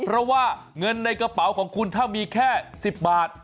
เพราะว่าเงินในกระเป๋าของคุณถ้ามีแค่๑๐บาท